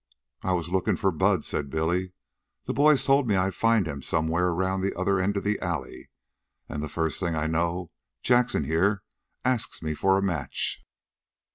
"I was lookin' for Bud," said Billy. "The boys told me I'd find him somewhere around the other end of the alley. An' the first thing I know, Jackson, here, asks me for a match."